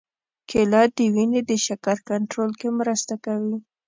کېله د وینې د شکر کنټرول کې مرسته کوي.